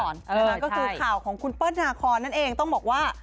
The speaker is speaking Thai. ก็คือข่าวของคุณเปิ้ลนาคอนนั่นเองต้องบอกว่า